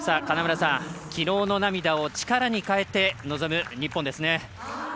金村さんきのうの涙を力に変えて試合に臨む日本ですね。